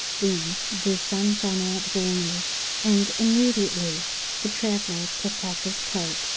Then the Sun shined out warmly, and immediately the traveler took off his cloak.